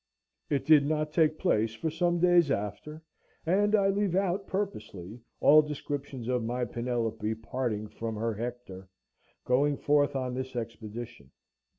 It did not take place for some days after, and I leave out, purposely, all descriptions of my Penelope parting from her Hector, going forth on this expedition.